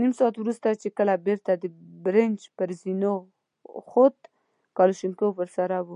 نيم ساعت وروسته چې کله بېرته د برج پر زينو خوت، کلاشينکوف ور سره و.